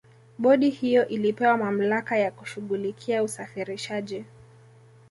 bodi hiyo ilipewa mamlaka ya kushughulikia usafirishaji